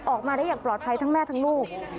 ออกมาได้อย่างปลอดภัยทั้งแม่ทั้งลูก